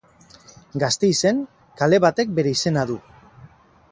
Gasteizen kale batek bere izena du.